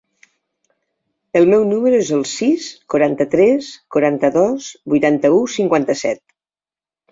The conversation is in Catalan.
El meu número es el sis, quaranta-tres, quaranta-dos, vuitanta-u, cinquanta-set.